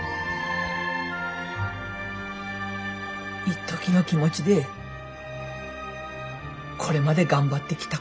いっときの気持ちでこれまで頑張ってきた